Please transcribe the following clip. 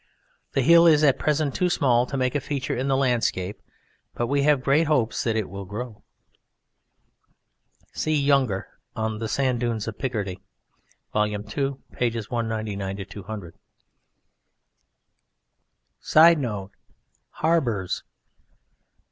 The hill is at present too small to make a feature in the landscape, but we have great hopes that it will grow. (See Younger on "The Sand Dunes of Picardy," Vol. II, pp. 199 200.) [Sidenote: Harbours.